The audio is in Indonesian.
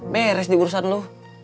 beres di urusan lu